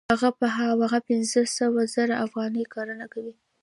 هغه په هماغه پنځه سوه زره افغانۍ کرنه کوي